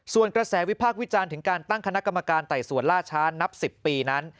ส่วนกระแสวิพากษ์วิจารณ์ถึงการตั้งคณะกรรมการไต่สวนล่าช้านับ๑๐ปีนั้น